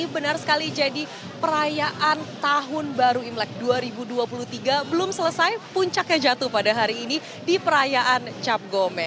benar sekali jadi perayaan tahun baru imlek dua ribu dua puluh tiga belum selesai puncaknya jatuh pada hari ini di perayaan cap gome